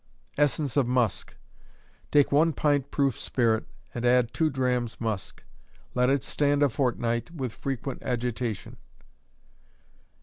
Essence of Musk. Take one pint proof spirit, and add two drachms musk. Let it stand a fortnight, with frequent agitation.